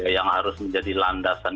yang harus menjadi landasan